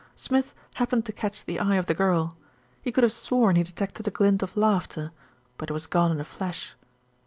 Smith happened to catch the eye of the girl. He could have sworn he detected a glint of laughter; but it was gone in a flash.